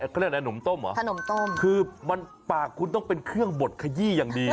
ค้าวนมต้มเหรอคือคือปากคุณต้องเป็นเครื่องบดขยี่อย่างดี